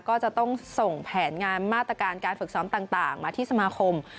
ก็จะต้องส่งแผนงานมาตรการการฝึกซ้อมต่างมาที่สมาคม